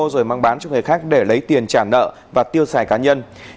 rồi mang bán cho người khác để lấy tiền trả nợ và tiêu xài cá nhân